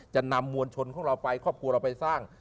จะนำมวลชนของเราไปครอบครัวเราไปสร้าง